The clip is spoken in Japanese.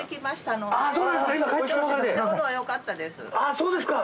そうですか。